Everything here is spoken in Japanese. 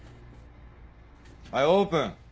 はいオープン。